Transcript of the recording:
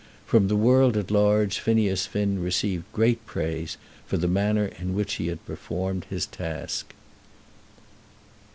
From the world at large Phineas Finn received great praise for the manner in which he had performed his task.